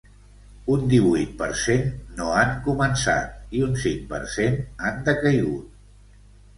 Un divuit per cent no han començat i un cinc per cent han decaigut.